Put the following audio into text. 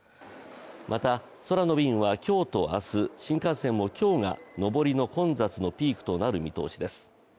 また、空の便は今日と明日、新幹線も今日が上りの混雑のピークとなる見通しです。